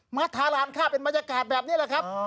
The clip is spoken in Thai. มาทารานค่ะเป็นบรรยากาศแบบนี้แหละครับ